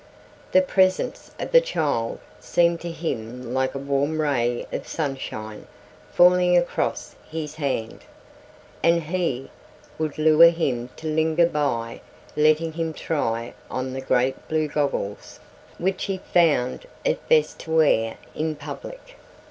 The presence of the child seemed to him like a warm ray of sunshine falling across his hand, and he would lure him to linger by letting him try on the great blue goggles which he found it best to wear in public.